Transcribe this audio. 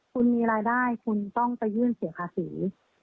คุณมีรายได้คุณต้องไปยื่นเสียภาษี